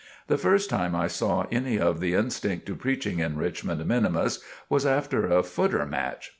The first time I saw any of the instinct to preaching in Richmond minimus was after a footer match.